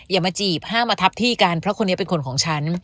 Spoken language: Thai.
อย่ามาจีบห้ามมาทับที่กันเพราะคนนี้เป็นคนของฉัน